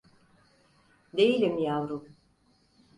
Değilim yavrum…